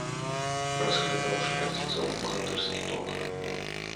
Разглядаў шляхціцаў багатырскі ток.